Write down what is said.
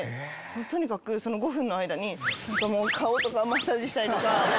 とにかくその５分の間に顔とかマッサージしたりとか。